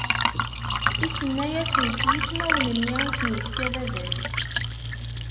Isemma-asen s yismawen-nni i sen-ifka baba-s.